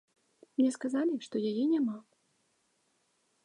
Мне сказалі, што яе няма.